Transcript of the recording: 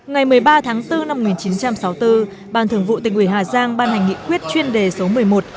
ngày một mươi ba tháng bốn năm một nghìn chín trăm sáu mươi bốn ban thường vụ tỉnh ủy hà giang ban hành nghị quyết chuyên đề số một mươi một